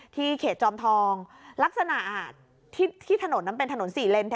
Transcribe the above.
เขตจอมทองลักษณะที่ถนนนั้นเป็นถนน๔เลน